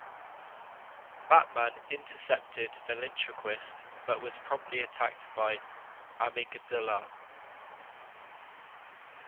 Batman intercepted Ventriloquist, but was promptly attacked by Amygdala.